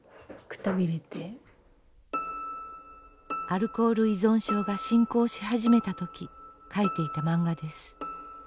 アルコール依存症が進行し始めた時描いていた漫画です。